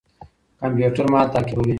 کمپيوټر مال تعقيبوي.